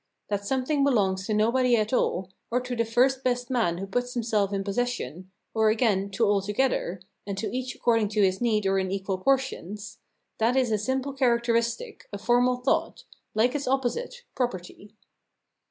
That something belong to nobody at all, or to the first best man who puts himself in possession, or, again, to all together, and to each according to his need or in equal portions — that is a simple characteristic, a formal thought, like its opposite, property.